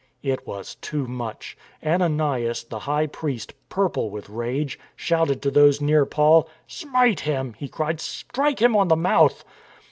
It was too much. Ananias, the high priest, purple with rage, shouted to those near Paul : "Smite him!" he cried. "Strike him on the mouth."